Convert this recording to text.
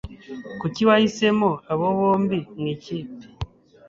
Kuki wahisemo abo bombi mu ikipe?